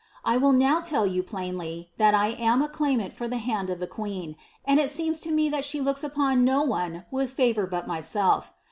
I will now tell you plainly that 1 am claiinanl for the hand of the queen, and h seems to me tlinl she look upon no one with favour but myself.